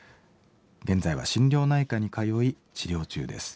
現在は心療内科に通い治療中です。